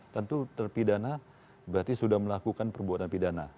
tentu terpidana berarti sudah melakukan perbuatan pidana